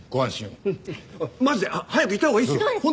マジで早く行ったほうがいいですよ。